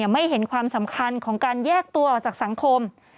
ไม่เห็นความสำคัญของการแยกตัวออกจากสังคม